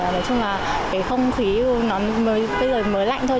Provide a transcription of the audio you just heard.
nói chung là không khí bây giờ mới lạnh thôi